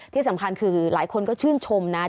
ที่สำคัญคือหลายคนก็ชื่นชมนะ